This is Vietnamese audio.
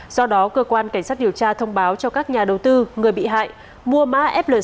do đó cơ quan cảnh sát điều tra thông báo cho các nhà đầu tư người bị hại mua mã flc